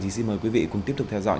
thì xin mời quý vị cùng tiếp tục theo dõi